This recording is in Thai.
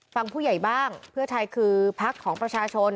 ฟังผู้ใหญ่บ้างเพื่อไทยคือพักของประชาชน